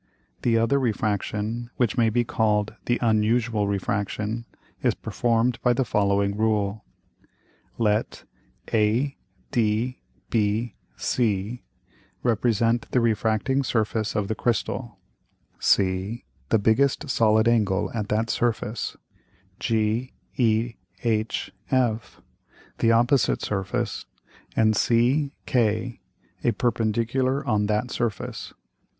The other Refraction, which may be called the unusual Refraction, is perform'd by the following Rule. [Illustration: FIG. 4.] Let ADBC represent the refracting Surface of the Crystal, C the biggest solid Angle at that Surface, GEHF the opposite Surface, and CK a perpendicular on that Surface.